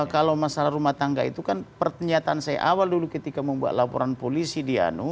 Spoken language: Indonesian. kalau masalah rumah tangga itu kan pernyataan saya awal dulu ketika membuat laporan polisi di anu